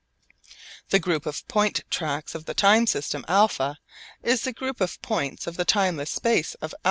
The group of point tracks of the time system α is the group of points of the timeless space of α.